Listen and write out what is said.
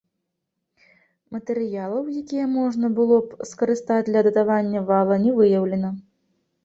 Матэрыялаў, якія можна было б скарыстаць для датавання вала, не выяўлена.